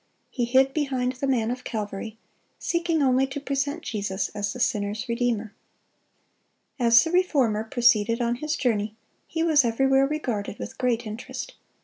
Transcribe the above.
He hid behind the Man of Calvary, seeking only to present Jesus as the sinner's Redeemer. As the Reformer proceeded on his journey, he was everywhere regarded with great interest.